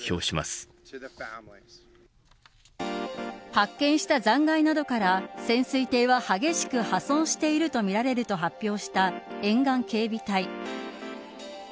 発見した残骸などから潜水艇は激しく破損しているとみられると発表した沿岸警備隊。